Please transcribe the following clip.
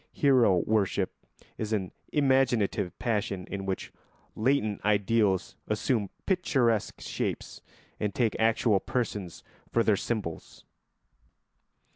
Hero worship is an imaginative passion in which latent ideals assume picturesque shapes and take actual persons for their symbols.